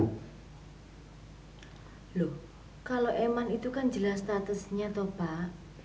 loh kalau eman itu kan jelas statusnya topak